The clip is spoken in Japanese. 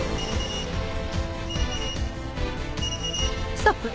ストップ！